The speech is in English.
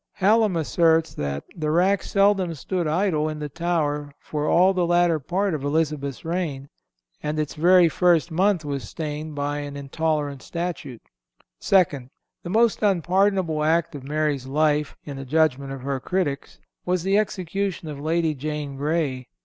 Hallam asserts that "the rack seldom stood idle in the tower for all the latter part of Elizabeth's reign;"(322) and its very first month was stained by an intolerant statute.(323) Second—The most unpardonable act of Mary's life, in the judgment of her critics, was the execution of Lady Jane Grey.